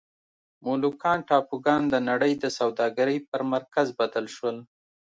مولوکان ټاپوګان د نړۍ د سوداګرۍ پر مرکز بدل شول.